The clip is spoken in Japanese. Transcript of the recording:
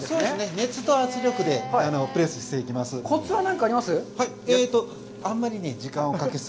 熱と圧力でプレスしていきます。